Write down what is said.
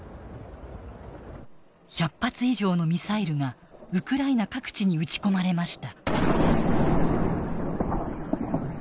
１００発以上のミサイルがウクライナ各地に撃ち込まれました。